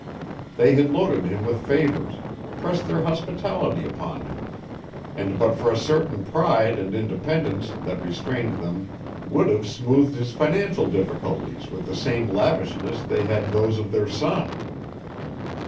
They had loaded him with favors, pressed their hospitality upon him, and but for a certain pride and independence that restrained them would have smoothed his financial difficulties with the same lavishness they had those of their son.